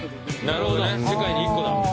なるほどね世界に１個だ。